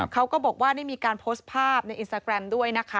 เขาก็บอกว่าได้มีการโพสต์ภาพในอินสตาแกรมด้วยนะคะ